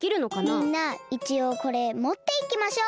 みんないちおうこれもっていきましょう。